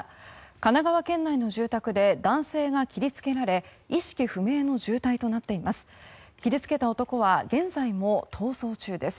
神奈川県内の住宅で男性が切りつけられ意識不明の重体となっています。